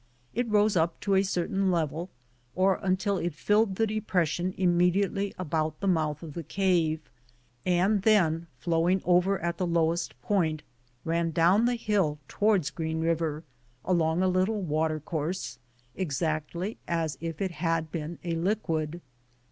It rose up to a certain level, or until it filled the depression immediately about the mouth of the cave, and then flowing over at the lowest point, ran down the hill towards Green Kiver, along a little watercourse, exactly as if it had been a liquid.